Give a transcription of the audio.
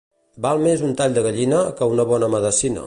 Val més un tall de gallina que una bona medicina.